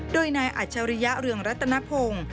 ด้วยนายอัชริยะเรืองรัตนภง